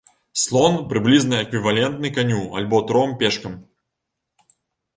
Слон прыблізна эквівалентны каню альбо тром пешкам.